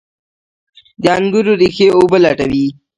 د انګورو ریښې اوبه لټوي.